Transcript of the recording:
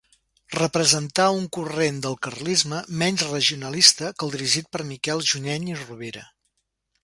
Representà un corrent del carlisme menys regionalista que el dirigit per Miquel Junyent i Rovira.